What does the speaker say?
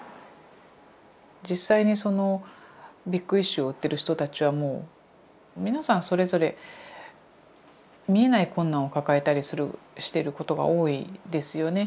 実際に「ビッグイシュー」を売ってる人たちはもう皆さんそれぞれ見えない困難を抱えたりしてることが多いんですよね。